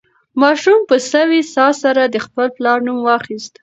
ماشوم په سوې ساه سره د خپل پلار نوم واخیست.